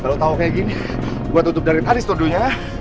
kalau tahu kayak gini gue tutup dari tadi studionya